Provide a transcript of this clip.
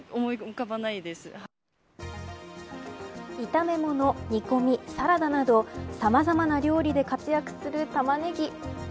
炒め物、煮込み、サラダなどさまざまな料理で活躍するタマネギ。